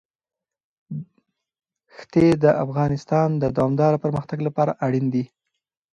ښتې د افغانستان د دوامداره پرمختګ لپاره اړین دي.